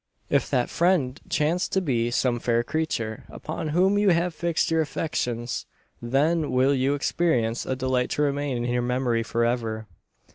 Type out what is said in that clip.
If that friend chance to be some fair creature, upon whom you have fixed your affections, then will you experience a delight to remain in your memory for ever.